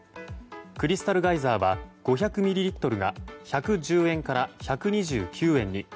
クリスタルガイザーは５００ミリリットルが１１０円から１２９円に。